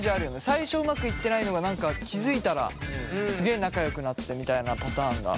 最初うまくいってないのが気付いたらすげえ仲良くなってたみたいなパターンが。